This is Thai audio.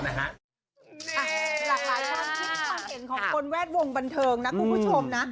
หลากหลายความคิดความเห็นของคนแวดวงบันเทิงนะคุณผู้ชมนะ